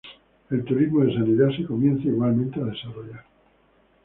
El turismo de sanidad se comienza igualmente a desarrollar.